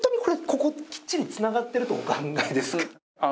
ここきっちり繋がってるとお考えですか？